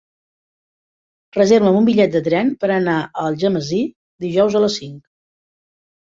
Reserva'm un bitllet de tren per anar a Algemesí dijous a les cinc.